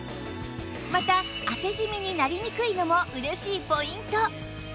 また汗ジミになりにくいのも嬉しいポイント